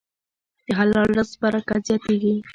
د حلال رزق برکت زیاتېږي.